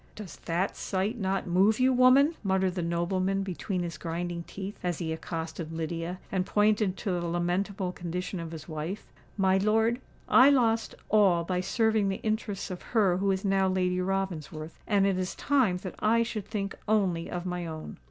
"Does that sight not move you, woman?" muttered the nobleman between his grinding teeth, as he accosted Lydia, and pointed to the lamentable condition of his wife. "My lord, I lost all by serving the interests of her who is now Lady Ravensworth; and it is time that I should think only of my own."